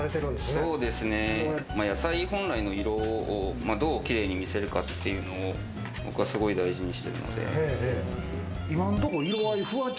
そうですね、野菜本来の色をどうキレイに見せるかというのを僕はすごく大事にしているので。